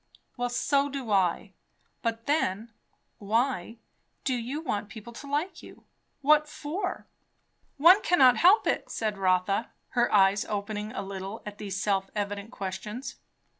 "Well, so do I. But then why do you want people to like you? What for?" "One cannot help it," said Rotha, her eyes opening a little at these self evident questions.